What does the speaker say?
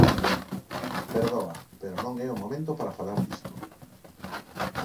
Perdoa, pero non é o momento para falar disto.